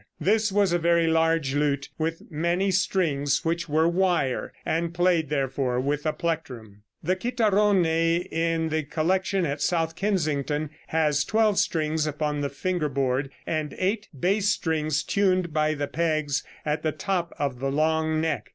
This was a very large lute, with many strings, which were wire, and played, therefore, with a plectrum. The chitarrone in the collection at South Kensington has twelve strings upon the finger board, and eight bass strings tuned by the pegs at the top of the long neck.